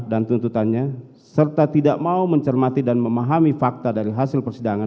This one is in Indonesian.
dan tuntutannya serta tidak mau mencermati dan memahami fakta dari hasil persidangan